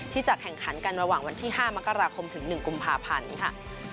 ที่จะแข่งขันกันระหว่างวันที่๕มกราคมถึง๑กุมภาพันธ์ค่ะ